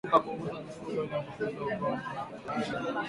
Epuka kugusa mifugo iliyoambukizwa ugonjwa